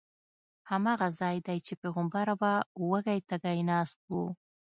هماغه ځای دی چې پیغمبر به وږی تږی ناست و.